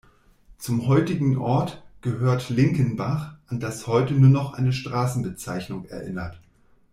Zum heutigen Ort gehört Linkenbach, an das heute nur noch eine Straßenbezeichnung erinnert.